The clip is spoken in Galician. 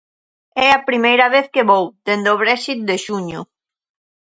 É a primeira vez que vou dende o Brexit de xuño.